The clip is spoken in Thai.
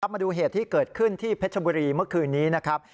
มาดูเหตุที่เกิดขึ้นที่เพชรบุรีเมื่อคืนนี้นะครับ